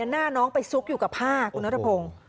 หน้าน้องไปซุกอยู่กับผ้าคุณนัทพงศ์